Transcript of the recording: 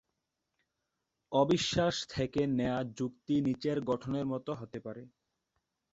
অবিশ্বাস থেকে নেয়া যুক্তি নিচের গঠনের মত হতে পারেঃ